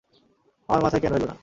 আমার মাথায় কেন এলো না?